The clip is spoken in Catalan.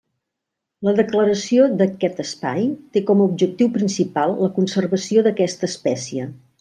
La declaració d’aquest espai té com a objectiu principal la conservació d'aquesta espècie.